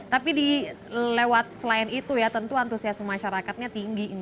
tapi di lewat selain itu ya tentu antusiasme masyarakatnya tinggi